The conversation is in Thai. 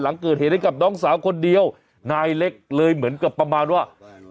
หลังเกิดเหตุให้กับน้องสาวคนเดียวนายเล็กเลยเหมือนกับประมาณว่า